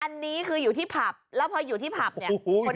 อันนี้คืออยู่ที่ผับแล้วพออยู่ที่ผับเนี่ย